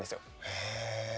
へえ。